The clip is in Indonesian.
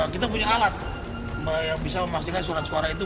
kita punya alat yang bisa memastikan surat suara itu